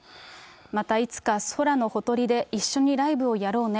また、いつか空のほとりで一緒にライブをやろうね。